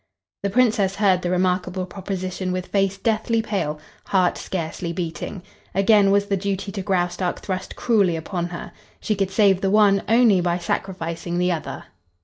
The Princess heard the remarkable proposition with face deathly pale, heart scarcely beating. Again was the duty to Graustark thrust cruelly upon her. She could save the one only by sacrificing the other.